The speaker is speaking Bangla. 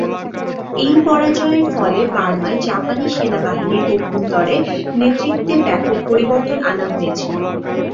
এই পরাজয়ের ফলে বার্মায় জাপানি সেনাবাহিনীর অভ্যন্তরে নেতৃত্বে ব্যাপক পরিবর্তন আনা হয়েছিল।